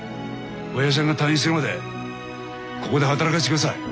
おやじさんが退院するまでここで働かせてください。